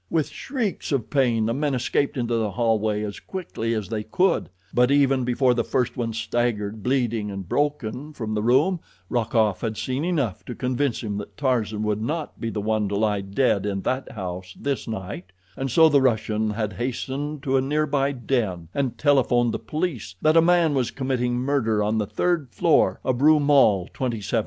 With shrieks of pain the men escaped into the hallway as quickly as they could; but even before the first one staggered, bleeding and broken, from the room, Rokoff had seen enough to convince him that Tarzan would not be the one to lie dead in that house this night, and so the Russian had hastened to a nearby den and telephoned the police that a man was committing murder on the third floor of Rue Maule, 27.